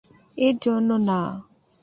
এর জন্য না।